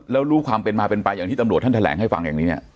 แล้วรู้ความเป็นมาเป็นไปอย่างที่ตำรวจท่านแถลงให้ฟังอย่างนี้เนี่ย